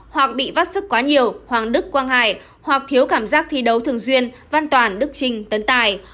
hoặc bị vắt sức quá nhiều hoàng đức quan hại hoặc thiếu cảm giác thi đấu thường duyên văn toàn đức trinh tấn tài